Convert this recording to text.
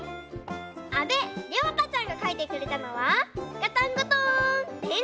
あべりょうたちゃんがかいてくれたのはガタンゴトーン！